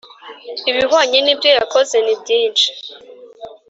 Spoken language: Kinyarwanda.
ibihwanye n ‘ibyo yakoze nibyishi.